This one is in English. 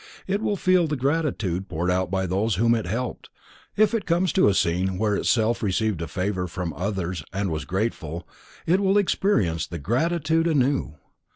It will feel the gratitude poured out by those whom it helped; if it comes to a scene where itself received a favor from others and was grateful, it will experience the gratitude anew.